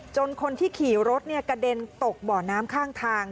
คนที่ขี่รถกระเด็นตกบ่อน้ำข้างทาง